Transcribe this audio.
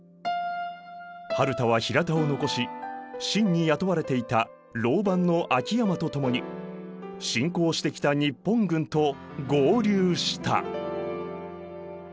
春田は比良田を残し清に雇われていた牢番の秋山とともに進攻してきた日本軍と合流した。